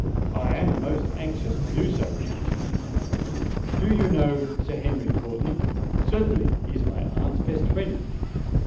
"I am most anxious to do so," continued the highwayman. "Do you know Sir Henry Courtenay?" "Certainly: he is my aunt's best friend."